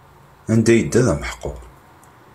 Anda yedda d ameḥqur.